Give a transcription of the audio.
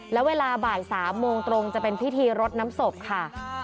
แล้วเวลาบ่าย๓โมงตรงจะเป็นพิธีรดน้ำศพค่ะ